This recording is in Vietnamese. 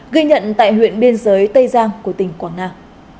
ghi nhận tại huyện biên giới tây giang của tỉnh quảng nam